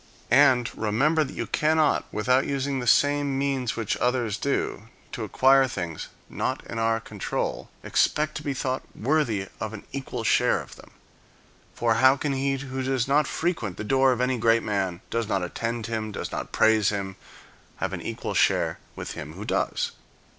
And remember that you cannot, without using the same means [which others do] to acquire things not in our own control, expect to be thought worthy of an equal share of them. For how can he who does not frequent the door of any [great] man, does not attend him, does not praise him, have an equal share with him who does?